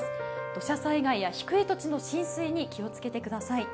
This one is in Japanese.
土砂災害や低い土地の浸水に気をつけてください。